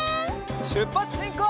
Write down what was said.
しゅっぱつしんこう！